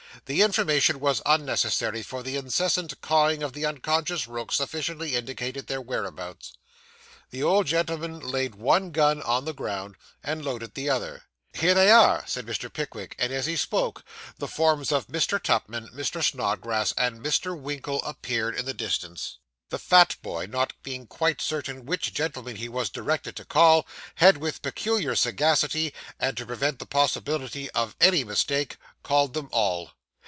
The information was unnecessary; for the incessant cawing of the unconscious rooks sufficiently indicated their whereabouts. The old gentleman laid one gun on the ground, and loaded the other. 'Here they are,' said Mr. Pickwick; and, as he spoke, the forms of Mr. Tupman, Mr. Snodgrass, and Mr. Winkle appeared in the distance. The fat boy, not being quite certain which gentleman he was directed to call, had with peculiar sagacity, and to prevent the possibility of any mistake, called them all.